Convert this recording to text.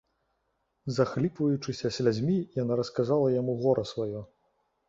Захліпваючыся слязьмі, яна расказала яму гора сваё.